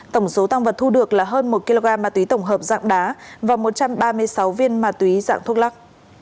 tổng số tăng vật thu được là hơn một kg ma túy tổng hợp dạng đá và một trăm ba mươi sáu viên ma túy dạng thuốc lắc